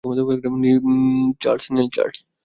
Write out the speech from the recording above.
নিন, চার্লস।